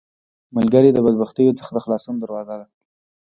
ملګری د بدبختیو څخه د خلاصون دروازه ده